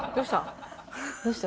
どうした？